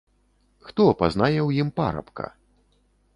Хто пазнае ў ім парабка?